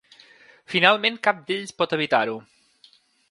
Finalment cap d'ells pot evitar-ho.